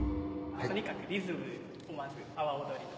とにかくリズムをまず阿波おどりの。